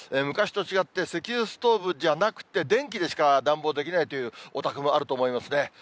昔と違って石油ストーブじゃなくて、電気でしか暖房できないというお宅もあると思いますね。